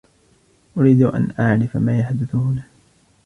أريد أن أعرف ما يحدث هنا.